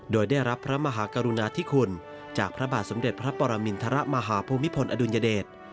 โดยได้รับพระมหากรุณาธิคุณจากพระบาทสมเด็จพระปรมินทรมาฮภูมิพลอดุลยเดช